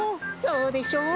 そうでしょう？